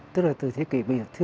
tức là từ thế kỷ bảy